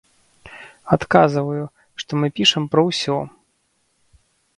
Адказваю, што мы пішам пра ўсё.